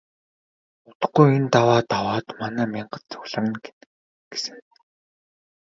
Удахгүй энэ даваа даваад манай мянгат цугларна гэсэн.